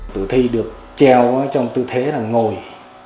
tử thi được treo trong tư thế là ngồi